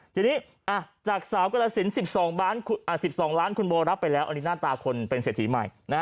ทีนี้จากสาวกรสิน๑๒ล้านคุณโบรับไปแล้วอันนี้หน้าตาคนเป็นเศรษฐีใหม่